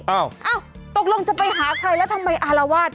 เอ้าตกลงจะไปหาใครแล้วทำไมอารวาส